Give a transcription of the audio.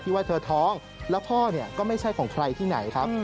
ว่าเธอท้องแล้วพ่อก็ไม่ใช่ของใครที่ไหนครับ